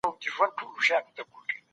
زه په کوڅې کي له بدو خلکو ځان ساتم.